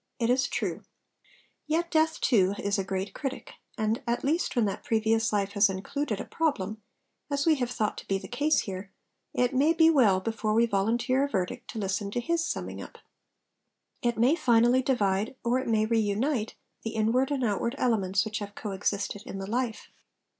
It is true. Yet Death, too, is a great critic; and, at least when that previous life has included a problem, (as we have thought to be the case here), it may be well before we volunteer a verdict to listen to his summing up. It may finally divide, or it may reunite, the inward and outward elements which have co existed in the life.